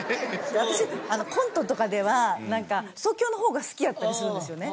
私コントとかでは即興のほうが好きやったりするんですよね。